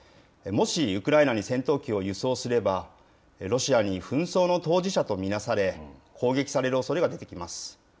もしウクライナに戦闘機を輸送すれば、ロシアに紛争の当事者と見なされ、攻撃されるおそれが出てきます。